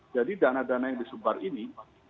jadi dana dana yang disebar ini